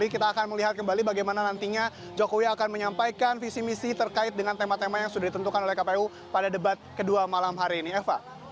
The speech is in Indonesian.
kita akan melihat kembali bagaimana nantinya jokowi akan menyampaikan visi misi terkait dengan tema tema yang sudah ditentukan oleh kpu pada debat kedua malam hari ini eva